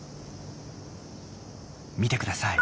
見てください。